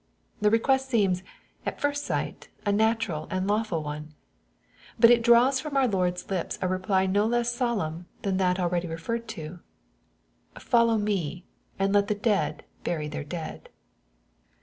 The request seems, at first sight, a natural and lawful one. But it draws from our Lord's lips a reply no less solemn than that already referred to :" Follow me, and let the dead bury their dead.''